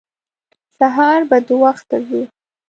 سهار به د وخته ځو.